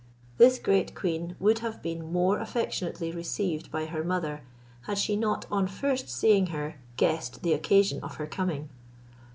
This great queen would have been more affectionately received by her mother, had she not, on first seeing her, guessed the occasion of her coming.